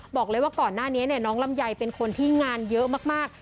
บอกเลยว่าก่อนหน้านี้น้องลำไยเป็นคนที่งานเยอะมาก